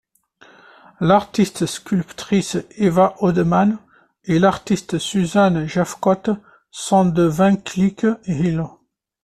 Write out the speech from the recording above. L'artiste sculptrice Eva Hoedeman et l'artiste Susan Jephcott sont de Vankleek Hill.